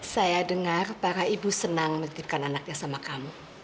saya dengar para ibu senang menyetirkan anaknya sama kamu